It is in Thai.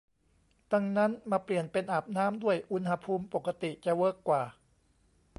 ดังนั้นมาเปลี่ยนเป็นอาบน้ำด้วยอุณหภูมิปกติจะเวิร์กกว่า